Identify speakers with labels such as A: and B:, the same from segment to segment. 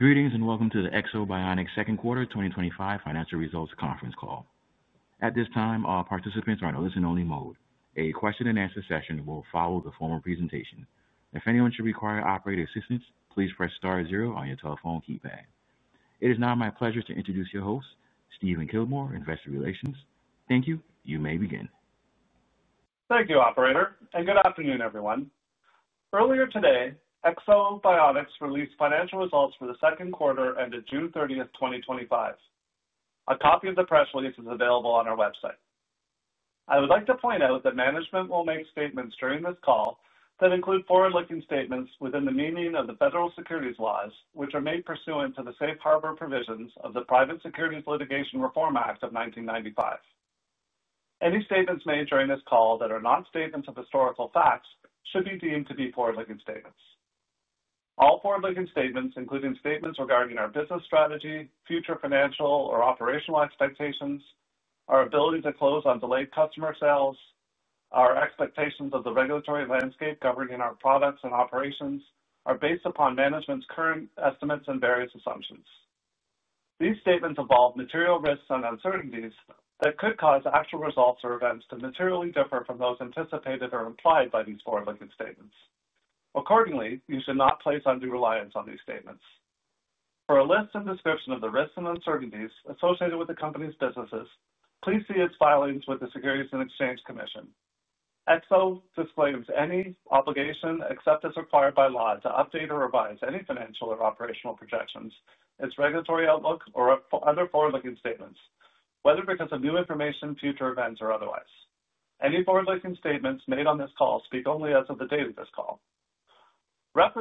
A: Greetings and welcome to the Ekso Bionics Second Quarter 2025 Financial Results Conference Call. At this time, all participants are in a listen-only mode. A question and answer session will follow the formal presentation. If anyone should require operator assistance, please press star zero on your telephone keypad. It is now my pleasure to introduce your host, Stephen Kilmer, Investor Relations. Thank you. You may begin.
B: Thank you, operator, and good afternoon, everyone. Earlier today, Ekso Bionics released financial results for the second quarter ended June 30, 2025. A copy of the press release is available on our website. I would like to point out that management will make statements during this call that include forward-looking statements within the meaning of the federal securities laws, which are made pursuant to the safe harbor provisions of the Private Securities Litigation Reform Act of 1995. Any statements made during this call that are not statements of historical facts should be deemed to be forward-looking statements. All forward-looking statements, including statements regarding our business strategy, future financial or operational expectations, our ability to close on delayed customer sales, our expectations of the regulatory landscape governing our products and operations, are based upon management's current estimates and various assumptions. These statements involve material risks and uncertainties that could cause actual results or events to materially differ from those anticipated or implied by these forward-looking statements. Accordingly, you should not place undue reliance on these statements. For a list and description of the risks and uncertainties associated with the company's businesses, please see its filings with the Securities and Exchange Commission. Ekso Bionics disclaims any obligation, except as required by law, to update or revise any financial or operational projections, its regulatory outlook, or other forward-looking statements, whether because of new information, future events, or otherwise. Any forward-looking statements made on this call speak only as of the date of this call.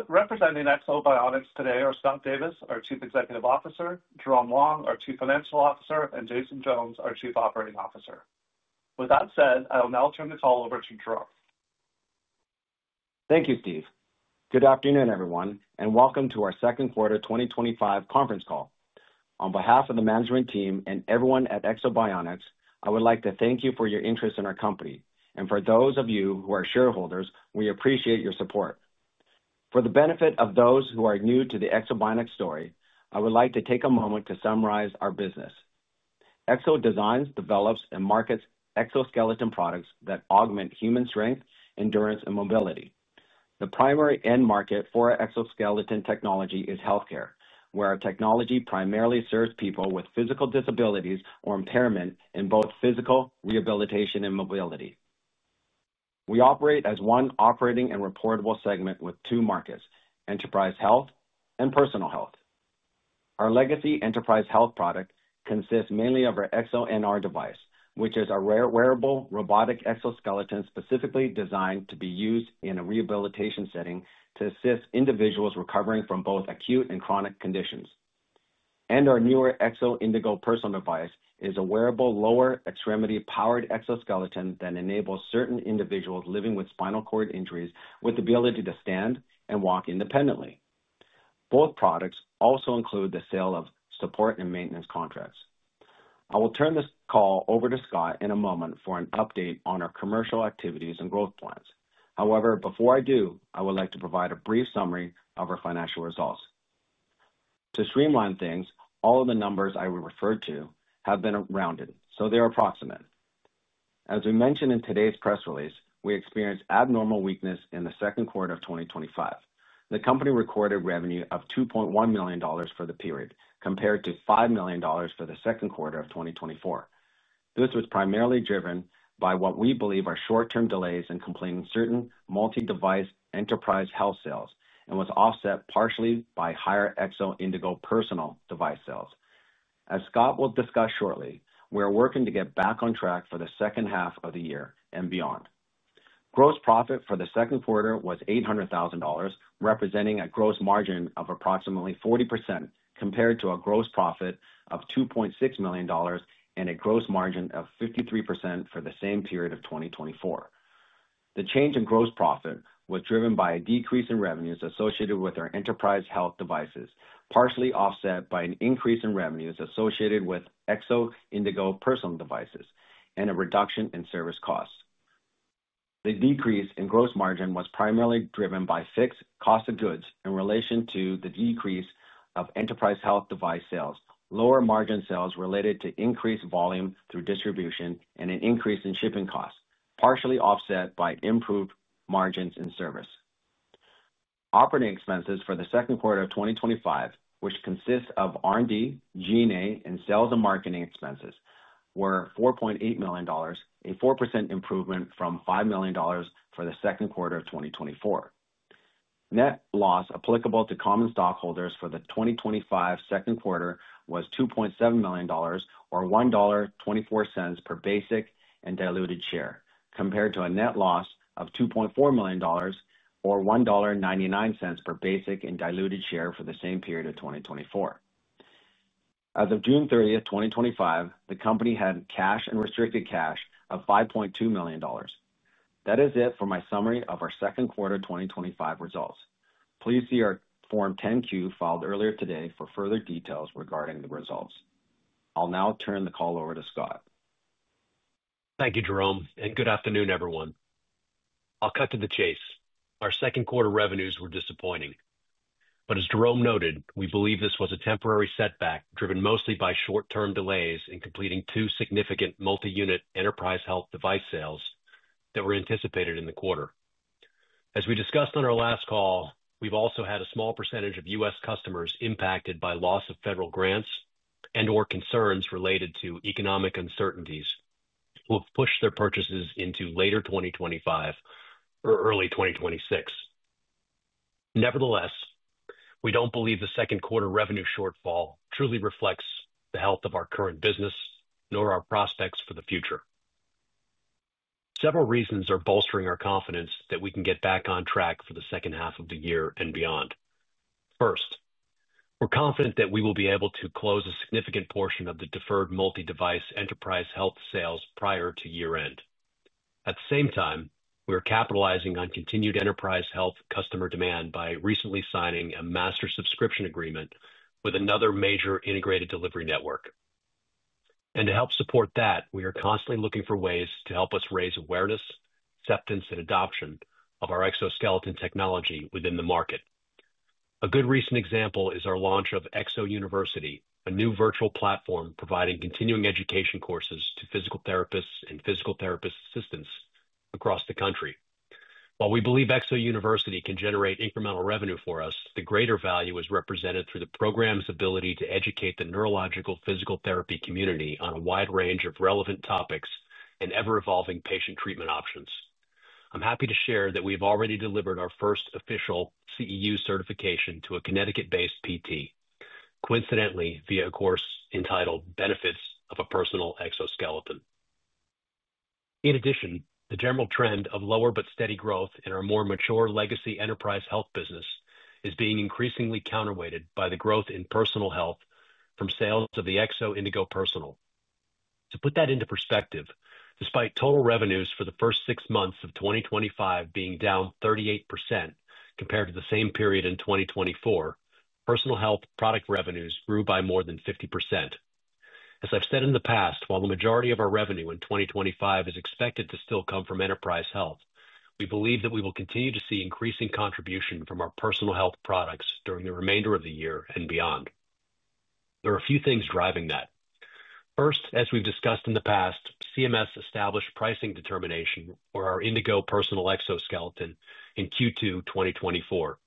B: Representing Ekso Bionics today are Scott Davis, our Chief Executive Officer, Jerome Wong, our Chief Financial Officer, and Jason Jones, our Chief Operating Officer. With that said, I will now turn the call over to Jerome.
C: Thank you, Steve. Good afternoon, everyone, and welcome to our second quarter 2025 conference call. On behalf of the management team and everyone at Ekso Bionics, I would like to thank you for your interest in our company. For those of you who are shareholders, we appreciate your support. For the benefit of those who are new to the Ekso Bionics story, I would like to take a moment to summarize our business. Ekso designs, develops, and markets exoskeleton products that augment human strength, endurance, and mobility. The primary end market for exoskeleton technology is healthcare, where our technology primarily serves people with physical disabilities or impairment in both physical rehabilitation and mobility. We operate as one operating and reportable segment with two markets. Enterprise health and personal health. Our legacy enterprise health product consists mainly of our EksoNR device, which is a rare wearable robotic exoskeleton specifically designed to be used in a rehabilitation setting to assist individuals recovering from both acute and chronic conditions. Our newer Ekso Indego Personal device is a wearable lower extremity powered exoskeleton that enables certain individuals living with spinal cord injuries with the ability to stand and walk independently. Both products also include the sale of support and maintenance contracts. I will turn this call over to Scott in a moment for an update on our commercial activities and growth plans. However, before I do, I would like to provide a brief summary of our financial results. To streamline things, all of the numbers I will refer to have been rounded, so they are approximate. As we mentioned in today's press release, we experienced abnormal weakness in the second quarter of 2025. The company recorded revenue of $2.1 million for the period, compared to $5 million for the second quarter of 2024. This was primarily driven by what we believe are short-term delays in completing certain multi-device enterprise health sales and was offset partially by higher Ekso Indego Personal device sales. As Scott will discuss shortly, we are working to get back on track for the second half of the year and beyond. Gross profit for the second quarter was $800,000, representing a gross margin of approximately 40% compared to a gross profit of $2.6 million and a gross margin of 53% for the same period of 2024. The change in gross profit was driven by a decrease in revenues associated with our enterprise health devices, partially offset by an increase in revenues associated with Ekso Indego Personal devices and a reduction in service costs. The decrease in gross margin was primarily driven by fixed cost of goods in relation to the decrease of enterprise health device sales, lower margin sales related to increased volume through distribution, and an increase in shipping costs, partially offset by improved margins in service. Operating expenses for the second quarter of 2025, which consist of R&D, G&A, and sales and marketing expenses, were $4.8 million, a 4% improvement from $5 million for the second quarter of 2024. Net loss applicable to common stockholders for the 2025 second quarter was $2.7 million or $1.24 per basic and diluted share, compared to a net loss of $2.4 million or $1.99 per basic and diluted share for the same period of 2024. As of June 30, 2025, the company had cash and restricted cash of $5.2 million. That is it for my summary of our second quarter 2025 results. Please see our Form 10-Q filed earlier today for further details regarding the results. I'll now turn the call over to Scott.
D: Thank you, Jerome, and good afternoon, everyone. I'll cut to the chase. Our second quarter revenues were disappointing. As Jerome noted, we believe this was a temporary setback driven mostly by short-term delays in completing two significant multi-unit enterprise health device sales that were anticipated in the quarter. As we discussed on our last call, we've also had a small percentage of U.S. customers impacted by loss of federal grants and/or concerns related to economic uncertainties who have pushed their purchases into later 2025 or early 2026. Nevertheless, we don't believe the second quarter revenue shortfall truly reflects the health of our current business, nor our prospects for the future. Several reasons are bolstering our confidence that we can get back on track for the second half of the year and beyond. First, we're confident that we will be able to close a significant portion of the deferred multi-device enterprise health sales prior to year-end. At the same time, we are capitalizing on continued enterprise health customer demand by recently signing a master subscription agreement with another major integrated delivery network. To help support that, we are constantly looking for ways to help us raise awareness, acceptance, and adoption of our exoskeleton technology within the market. A good recent example is our launch of Ekso University, a new virtual platform providing continuing education courses to physical therapists and physical therapist assistants across the country. While we believe Ekso University can generate incremental revenue for us, the greater value is represented through the program's ability to educate the neurological physical therapy community on a wide range of relevant topics and ever-evolving patient treatment options. I'm happy to share that we have already delivered our first official CEU certification to a Connecticut-based PT, coincidentally via a course entitled "Benefits of a Personal Exoskeleton." In addition, the general trend of lower but steady growth in our more mature legacy enterprise health business is being increasingly counterweighted by the growth in personal health from sales of the Ekso Indego Personal. To put that into perspective, despite total revenues for the first six months of 2025 being down 38% compared to the same period in 2024, personal health product revenues grew by more than 50%. As I've said in the past, while the majority of our revenue in 2025 is expected to still come from enterprise health, we believe that we will continue to see increasing contribution from our personal health products during the remainder of the year and beyond. There are a few things driving that. First, as we've discussed in the past, CMS established pricing determination for our Indego Personal exoskeleton in Q2 2024.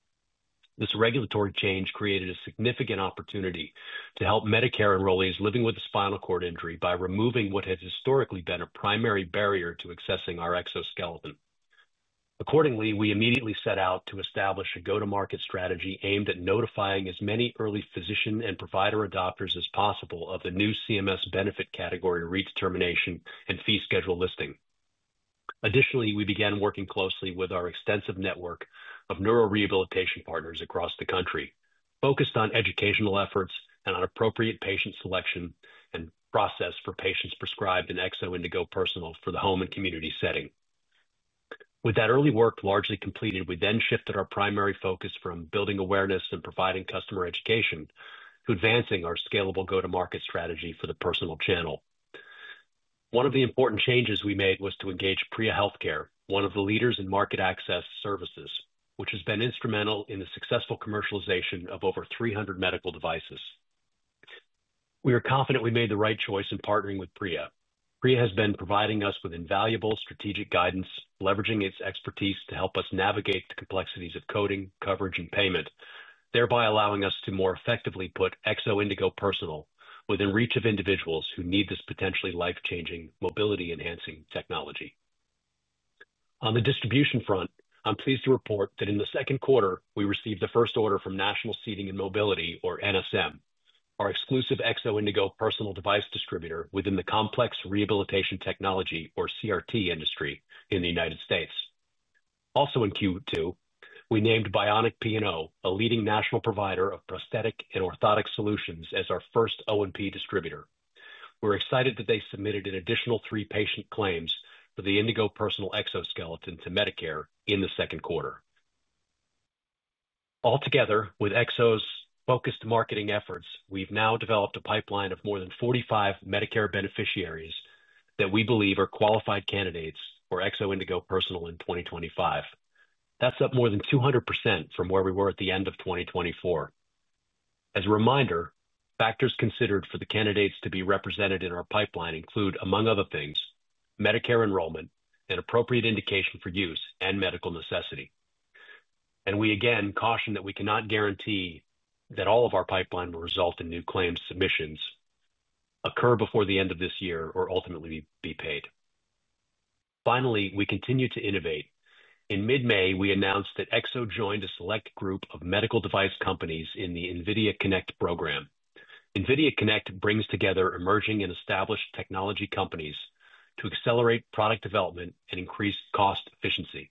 D: This regulatory change created a significant opportunity to help Medicare living with a spinal cord injury by removing what has historically been a primary barrier to accessing our exoskeleton. Accordingly, we immediately set out to establish a go-to-market strategy aimed at notifying as many early physician and provider adopters as possible of the new CMS benefit category redetermination and fee schedule listing. Additionally, we began working closely with our extensive network of neurorehabilitation partners across the country, focused on educational efforts and on appropriate patient selection and process for patients prescribed an Ekso Indego Personal for the home and community setting. With that early work largely completed, we then shifted our primary focus from building awareness and providing customer education to advancing our scalable go-to-market strategy for the personal channel. One of the important changes we made was to engage Priya Healthcare, one of the leaders in market access services, which has been instrumental in the successful commercialization of over 300 medical devices. We are confident we made the right choice in partnering with Priya. Priya has been providing us with invaluable strategic guidance, leveraging its expertise to help us navigate the complexities of coding, coverage, and payment, thereby allowing us to more effectively put Ekso Indego Personal within reach of individuals who need this potentially life-changing, mobility-enhancing technology. On the distribution front, I'm pleased to report that in the second quarter, we received the first order from National Seating & Mobility, or NSM, our exclusive Ekso Indego Personal device distributor within the complex rehabilitation technology, or CRT, industry in the United States. Also in Q2, we named Bionic P&O, a leading national provider of prosthetic and orthotic solutions, as our first O&P distributor. We're excited that they submitted an additional three patient claims for the Indego Personal exoskeleton to Medicare in the second quarter. Altogether, with Ekso's focused marketing efforts, we've now developed a pipeline of more than 45 Medicare beneficiaries that we believe are qualified candidates for Ekso Indego Personal in 2025. That's up more than 200% from where we were at the end of 2024. As a reminder, factors considered for the candidates to be represented in our pipeline include, among other things, Medicare enrollment and appropriate indication for use and medical necessity. We again caution that we cannot guarantee that all of our pipeline will result in new claims submissions occur before the end of this year or ultimately be paid. Finally, we continue to innovate. In mid-May, we announced that Ekso joined a select group of medical device companies in the NVIDIA Connect program. NVIDIA Connect brings together emerging and established technology companies to accelerate product development and increase cost efficiency.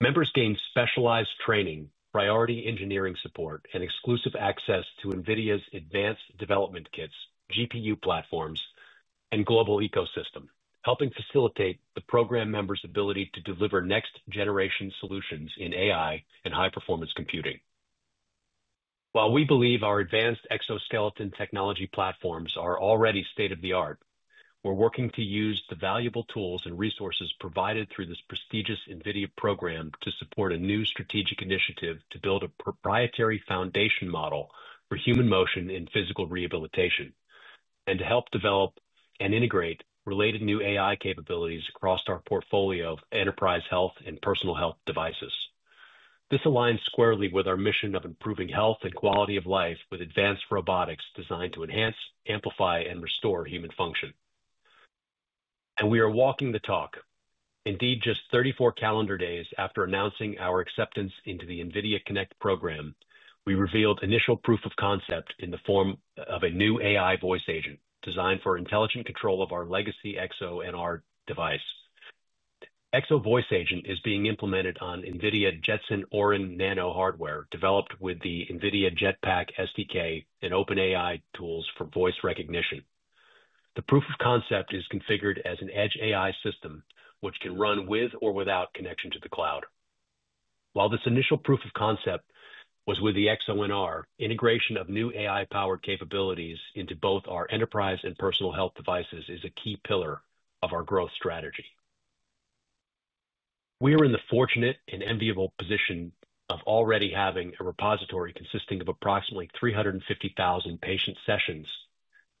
D: Members gain specialized training, priority engineering support, and exclusive access to NVIDIA's advanced development kits, GPU platforms, and global ecosystem, helping facilitate the program members' ability to deliver next-generation solutions in AI and high-performance computing. While we believe our advanced exoskeleton technology platforms are already state-of-the-art, we're working to use the valuable tools and resources provided through this prestigious NVIDIA program to support a new strategic initiative to build a proprietary foundation model for human motion in physical rehabilitation and to help develop and integrate related new AI capabilities across our portfolio of enterprise health and personal health devices. This aligns squarely with our mission of improving health and quality of life with advanced robotics designed to enhance, amplify, and restore human function. We are walking the talk. Indeed, just 34 calendar days after announcing our acceptance into the NVIDIA Connect program, we revealed initial proof of concept in the form of a new AI voice agent designed for intelligent control of our legacy EksoNR device. Ekso Voice Agent is being implemented on NVIDIA Jetson Orin Nano hardware developed with the NVIDIA Jetpack SDK and OpenAI tools for voice recognition. The proof of concept is configured as an edge AI system, which can run with or without connection to the cloud. While this initial proof of concept was with the EksoNR, integration of new AI-powered capabilities into both our enterprise and personal health devices is a key pillar of our growth strategy. We are in the fortunate and enviable position of already having a repository consisting of approximately 350,000 patient sessions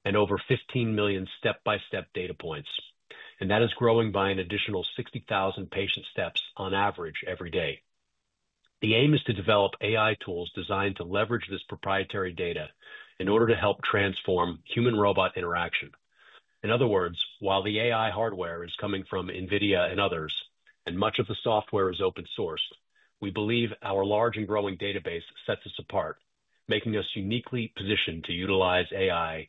D: and over 15 million step-by-step data points, and that is growing by an additional 60,000 patient steps on average every day. The aim is to develop AI tools designed to leverage this proprietary data in order to help transform human-robot interaction. In other words, while the AI hardware is coming from NVIDIA and others, and much of the software is open source, we believe our large and growing database sets us apart, making us uniquely positioned to utilize AI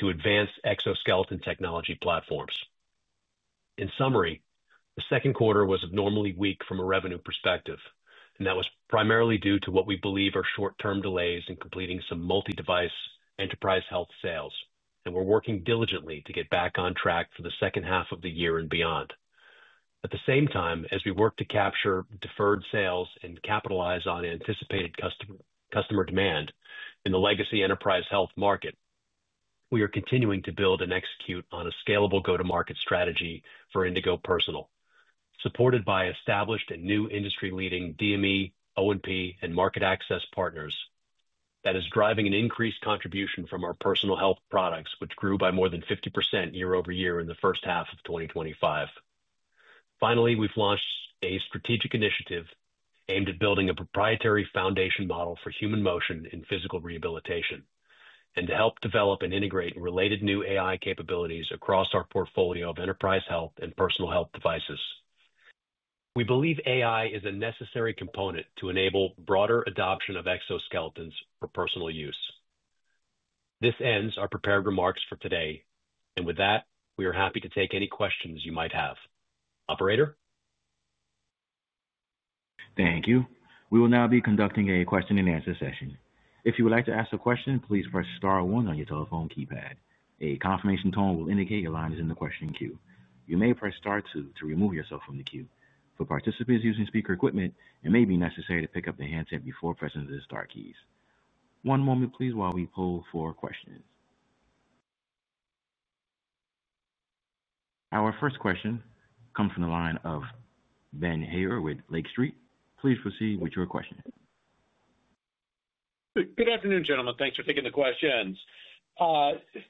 D: to advance exoskeleton technology platforms. In summary, the second quarter was abnormally weak from a revenue perspective, and that was primarily due to what we believe are short-term delays in completing some multi-device enterprise health sales. We are working diligently to get back on track for the second half of the year and beyond. At the same time, as we work to capture deferred sales and capitalize on anticipated customer demand in the legacy enterprise health market, we are continuing to build and execute on a scalable go-to-market strategy for Ekso Indego Personal, supported by established and new industry-leading DME, O&P, and market access partners. That is driving an increased contribution from our personal health products, which grew by more than 50% year-over-year in the first half of 2025. Finally, we've launched a strategic initiative aimed at building a proprietary foundation model for human motion in physical rehabilitation and to help develop and integrate related new AI capabilities across our portfolio of enterprise health and personal health devices. We believe AI is a necessary component to enable broader adoption of exoskeletons for personal use. This ends our prepared remarks for today, and with that, we are happy to take any questions you might have. Operator?
A: Thank you. We will now be conducting a question and answer session. If you would like to ask a question, please press star one on your telephone keypad. A confirmation tone will indicate your line is in the question queue. You may press star two to remove yourself from the queue. For participants using speaker equipment, it may be necessary to pick up the handset before pressing the star keys. One moment, please, while we pull for questions. Our first question comes from the line of Ben Haynor with Lake Street. Please proceed with your question.
E: Good afternoon, gentlemen. Thanks for taking the questions.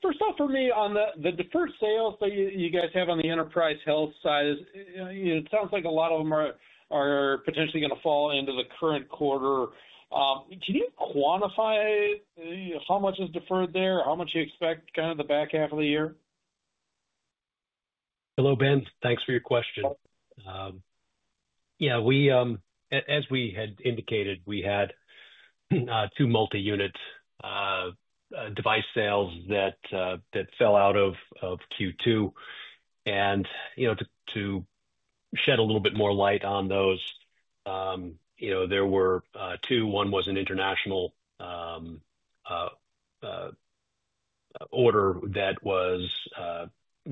E: First off, for me, on the deferred sales that you guys have on the enterprise health side, it sounds like a lot of them are potentially going to fall into the current quarter. Can you quantify how much is deferred there? How much do you expect kind of the back half of the year?
D: Hello, Ben. Thanks for your question. As we had indicated, we had two multi-unit device sales that fell out of Q2. To shed a little bit more light on those, there were two. One was an international order that was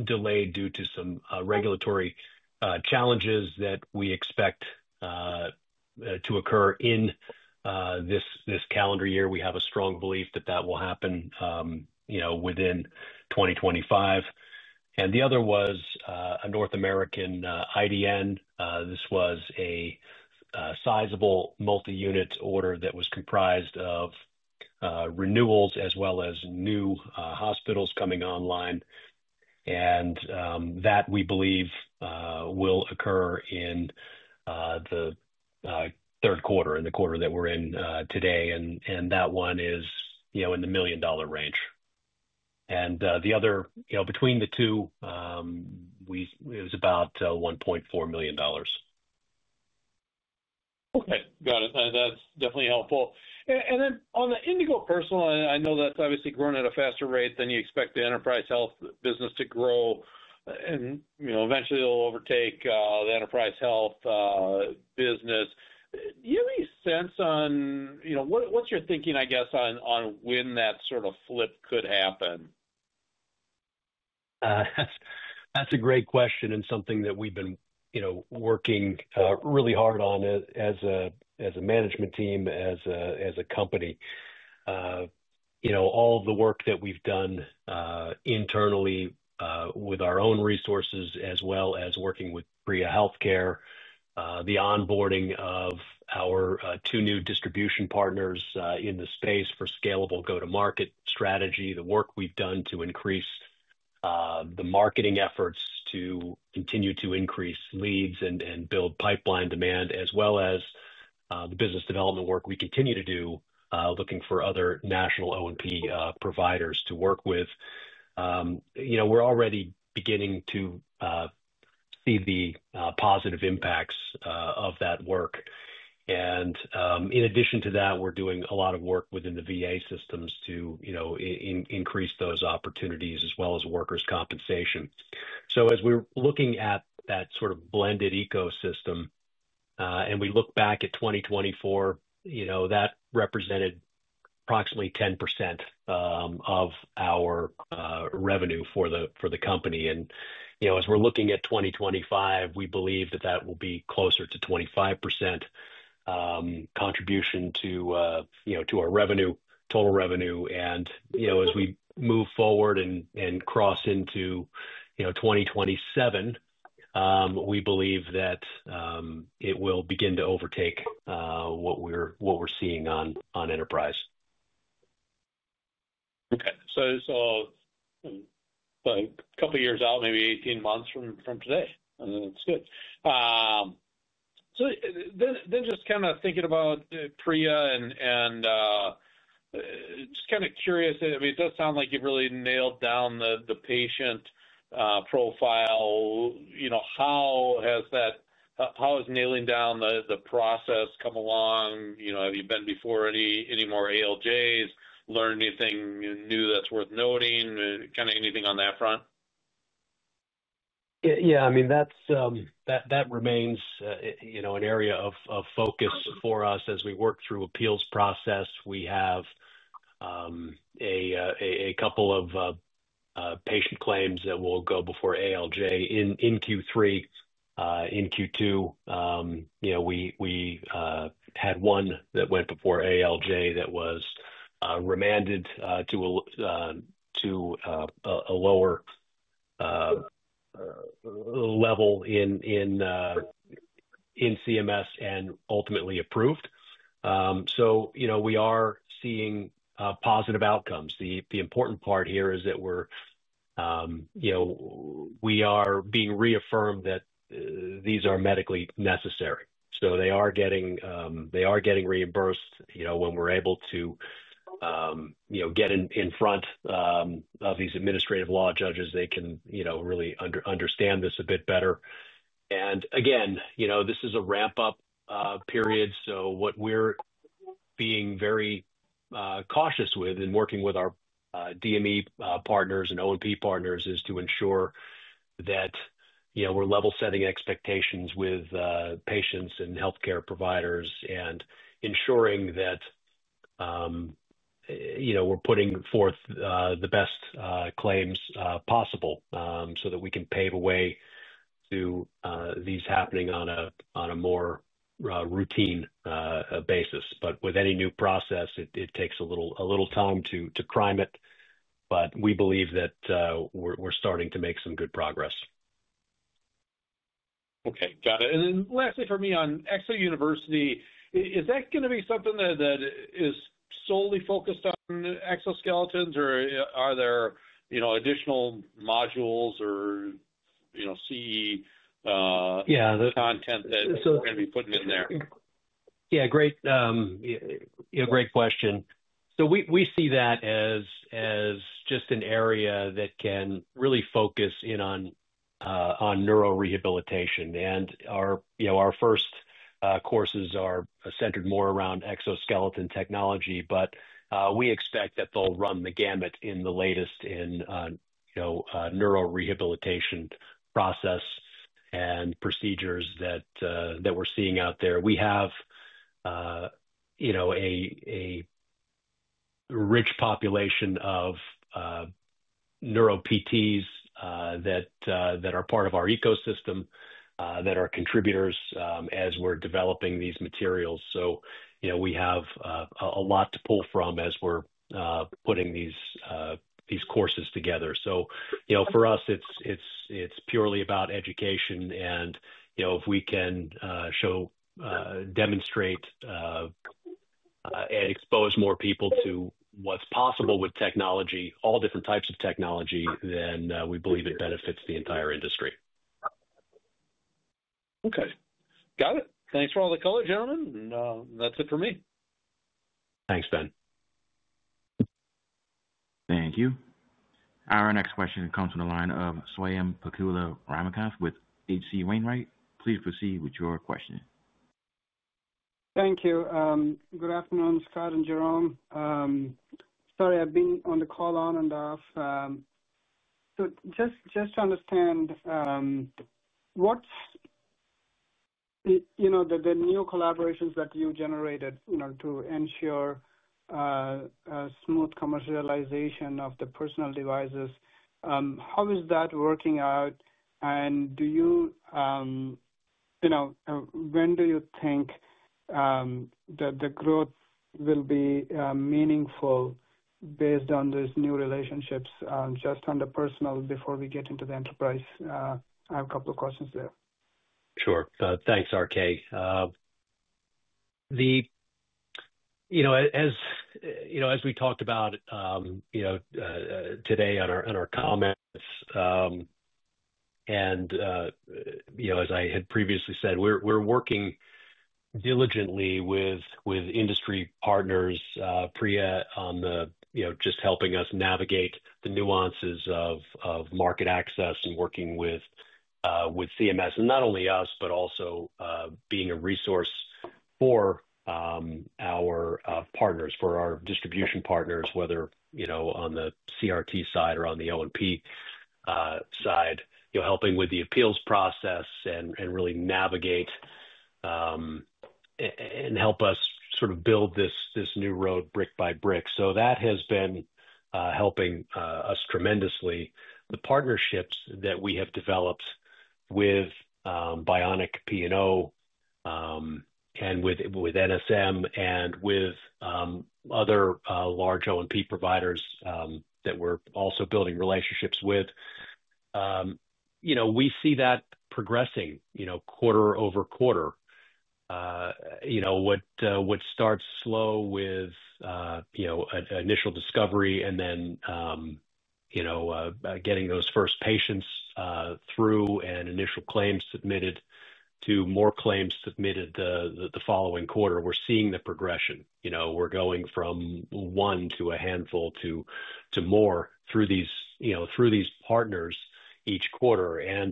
D: delayed due to some regulatory challenges that we expect to occur in this calendar year. We have a strong belief that that will happen within 2025. The other was a North American IDN. This was a sizable multi-unit order that was comprised of renewals as well as new hospitals coming online. We believe that will occur in the third quarter, in the quarter that we're in today. That one is in the million dollar range. The other, between the two, it was about $1.4 million.
E: Okay, got it. That's definitely helpful. On the Ekso Indego Personal, I know that's obviously growing at a faster rate than you expect the enterprise health business to grow. Eventually it'll overtake the enterprise health business. Do you have any sense on what's your thinking, I guess, on when that sort of flip could happen?
D: That's a great question and something that we've been working really hard on as a management team, as a company. All of the work that we've done internally with our own resources, as well as working with Priya Healthcare, the onboarding of our two new distribution partners in the space for scalable go-to-market strategy, the work we've done to increase the marketing efforts to continue to increase leads and build pipeline demand, as well as the business development work we continue to do, looking for other national O&P providers to work with. We're already beginning to see the positive impacts of that work. In addition to that, we're doing a lot of work within the VA systems to increase those opportunities as well as workers' compensation. As we're looking at that sort of blended ecosystem, and we look back at 2024, that represented approximately 10% of our revenue for the company. As we're looking at 2025, we believe that that will be closer to 25% contribution to our revenue, total revenue. As we move forward and cross into 2027, we believe that it will begin to overtake what we're seeing on enterprise.
E: Okay, so it's all a couple of years out, maybe 18 months from today. That's good. Just kind of thinking about Priya and just kind of curious, I mean, it does sound like you've really nailed down the patient profile. You know, how has that, how has nailing down the process come along? You know, have you been before any more ALJs? Learned anything new that's worth noting? Kind of anything on that front?
D: Yeah, I mean, that remains an area of focus for us as we work through the appeals process. We have a couple of patient claims that will go before ALJ in Q3. In Q2, we had one that went before ALJ that was remanded to a lower level in CMS and ultimately approved. We are seeing positive outcomes. The important part here is that we're being reaffirmed that these are medically necessary. They are getting reimbursed when we're able to get in front of these administrative law judges. They can really understand this a bit better. This is a ramp-up period. What we're being very cautious with in working with our DME partners and O&P partners is to ensure that we're level-setting expectations with patients and healthcare providers and ensuring that we're putting forth the best claims possible so that we can pave a way to these happening on a more routine basis. With any new process, it takes a little time to climb it. We believe that we're starting to make some good progress.
E: Okay, got it. Lastly for me on Ekso University, is that going to be something that is solely focused on exoskeletons, or are there additional modules or CE content that we're going to be putting in there?
D: Yeah, great question. We see that as just an area that can really focus in on neurorehabilitation. Our first courses are centered more around exoskeleton technology, but we expect that they'll run the gamut in the latest in neurorehabilitation process and procedures that we're seeing out there. We have a rich population of neuro-PTs that are part of our ecosystem that are contributors as we're developing these materials. We have a lot to pull from as we're putting these courses together. For us, it's purely about education. If we can show, demonstrate, and expose more people to what's possible with technology, all different types of technology, then we believe it benefits the entire industry.
E: Okay, got it. Thanks for all the color, gentlemen. That's it for me.
D: Thanks, Ben.
A: Thank you. Our next question comes from the line of Swayampakula Ramakanth with H.C. Wainwright. Please proceed with your question.
F: Thank you. Good afternoon, Scott and Jerome. Sorry, I've been on the call on and off. Just to understand the new collaborations that you generated to ensure a smooth commercialization of the personal devices, how is that working out? Do you know when you think that the growth will be meaningful based on those new relationships just on the personal before we get into the enterprise? I have a couple of questions there.
D: Sure. Thanks, RK. As we talked about today in our comments, and as I had previously said, we're working diligently with industry partners, Priya Healthcare, on just helping us navigate the nuances of market access and working with CMS, and not only us, but also being a resource for our partners, for our distribution partners, whether on the complex rehabilitation technology side or on the O&P side, helping with the appeals process and really navigate and help us sort of build this new road brick by brick. That has been helping us tremendously. The partnerships that we have developed with Bionic P&O and with NSM and with other large O&P providers that we're also building relationships with, we see that progressing quarter over quarter. What starts slow with initial discovery and then getting those first patients through and initial claims submitted to more claims submitted the following quarter, we're seeing the progression. We're going from one to a handful to more through these partners each quarter.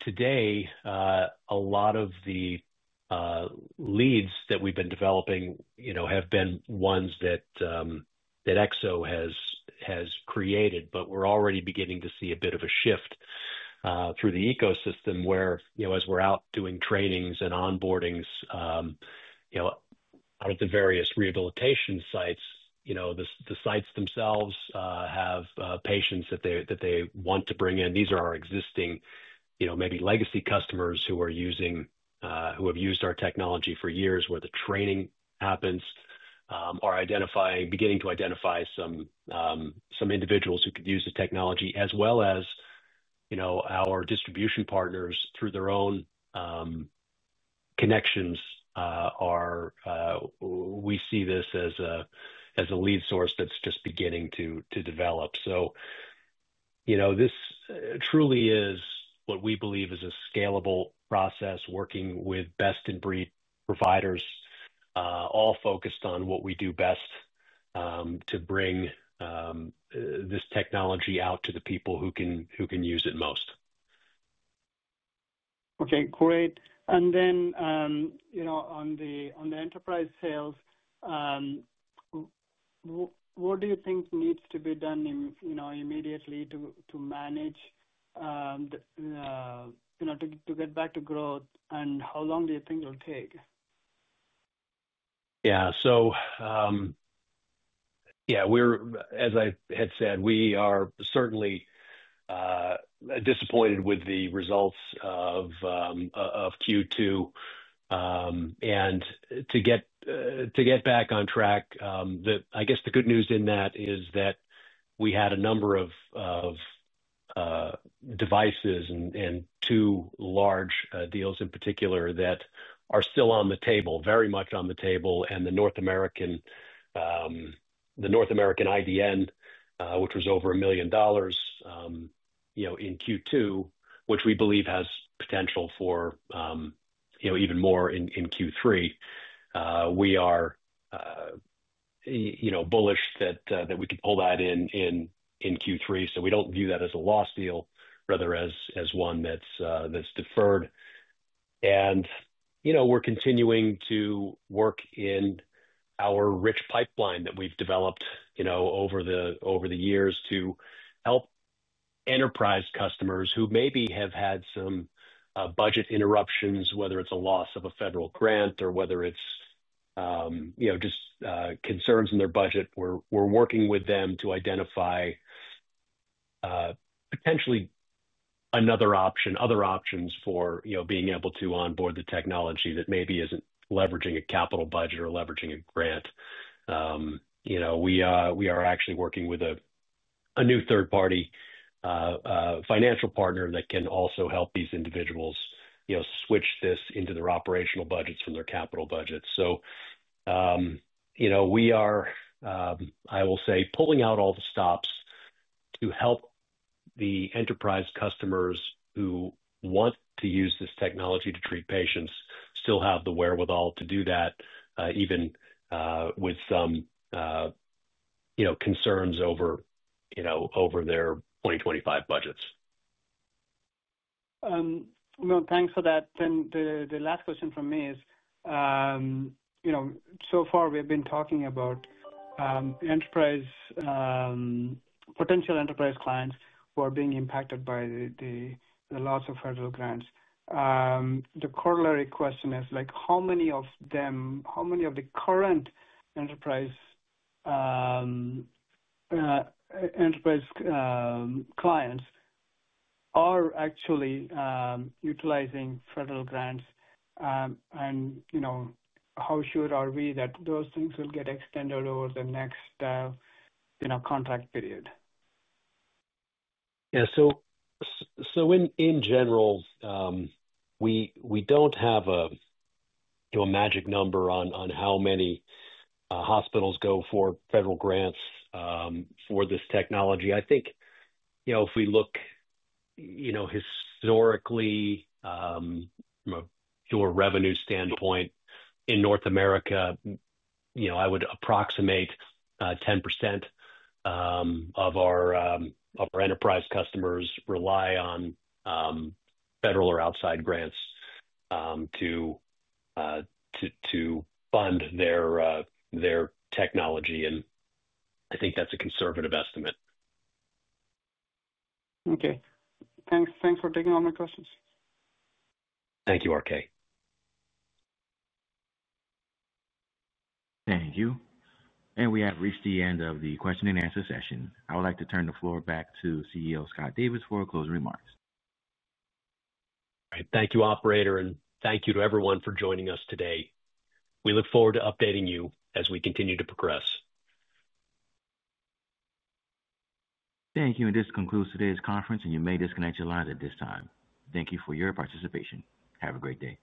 D: Today, a lot of the leads that we've been developing have been ones that Ekso Bionics has created, but we're already beginning to see a bit of a shift through the ecosystem where, as we're out doing trainings and onboardings at the various rehabilitation sites, the sites themselves have patients that they want to bring in. These are our existing, maybe legacy customers who are using, who have used our technology for years where the training happens, are beginning to identify some individuals who could use the technology, as well as our distribution partners through their own connections. We see this as a lead source that's just beginning to develop. This truly is what we believe is a scalable process working with best-in-breed providers, all focused on what we do best to bring this technology out to the people who can use it most.
F: Okay, great. On the enterprise sales, what do you think needs to be done immediately to manage, you know, to get back to growth, and how long do you think it'll take?
D: Yeah, as I had said, we are certainly disappointed with the results of Q2. To get back on track, the good news in that is that we had a number of devices and two large deals in particular that are still on the table, very much on the table, and the North American IDN, which was over $1 million in Q2, which we believe has potential for even more in Q3. We are bullish that we could pull that in in Q3. We don't view that as a lost deal, rather as one that's deferred. We are continuing to work in our rich pipeline that we've developed over the years to help enterprise customers who maybe have had some budget interruptions, whether it's a loss of a federal grant or just concerns in their budget. We're working with them to identify potentially another option, other options for being able to onboard the technology that maybe isn't leveraging a capital budget or leveraging a grant. We are actually working with a new third-party financial partner that can also help these individuals switch this into their operational budgets from their capital budgets. We are, I will say, pulling out all the stops to help the enterprise customers who want to use this technology to treat patients still have the wherewithal to do that, even with some concerns over their 2025 budgets.
F: Thank you for that. The last question from me is, you know, so far we have been talking about enterprise, potential enterprise clients who are being impacted by the loss of federal grants. The corollary question is, how many of the current enterprise clients are actually utilizing federal grants? You know, how sure are we that those things will get extended over the next contract period?
D: Yeah, in general, we don't have a magic number on how many hospitals go for federal grants for this technology. I think if we look historically from a pure revenue standpoint in North America, I would approximate 10% of our enterprise customers rely on federal or outside grants to fund their technology. I think that's a conservative estimate.
F: Okay. Thanks. Thanks for taking all my questions.
D: Thank you, RK.
A: Thank you. We have reached the end of the question and answer session. I would like to turn the floor back to CEO Scott Davis for closing remarks.
D: All right. Thank you, operator, and thank you to everyone for joining us today. We look forward to updating you as we continue to progress.
B: Thank you. This concludes today's conference, and you may disconnect your lines at this time. Thank you for your participation. Have a great day.